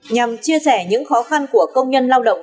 nhằm chia sẻ những khó khăn của công nhân lao động